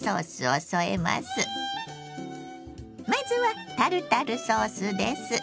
まずはタルタルソースです。